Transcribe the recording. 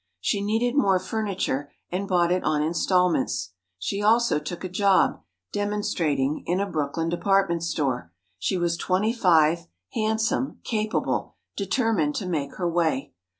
She needed more furniture and bought it on installments. She also took a job—demonstrating, in a Brooklyn department store. She was twenty five, handsome, capable, determined to make her way.